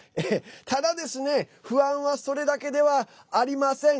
ただですね、不安はそれだけではありません。